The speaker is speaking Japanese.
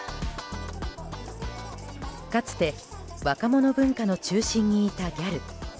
かつて、若者文化の中心にいたギャル。